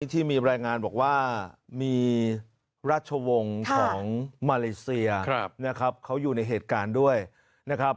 ที่มีรายงานบอกว่ามีราชวงศ์ของมาเลเซียนะครับเขาอยู่ในเหตุการณ์ด้วยนะครับ